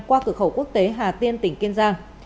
qua cửa khẩu quốc tế hà tiên tỉnh kiên giang